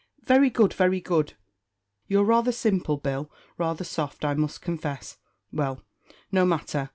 "Very good; very good. You're rather simple, Bill; rather soft, I must confess. Well, no matter.